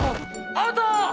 アウト！